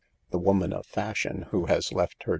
The woman of fashion, who has left her.